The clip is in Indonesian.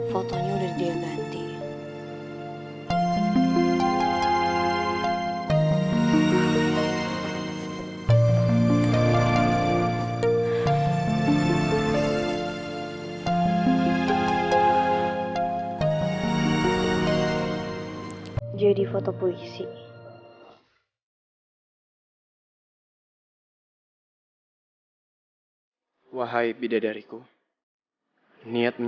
fotonya udah dia ganti